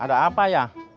ada apa ya